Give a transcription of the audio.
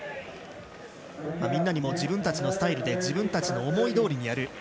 みんなにも自分たちのスタイルで自分たちの思いどおりにやる。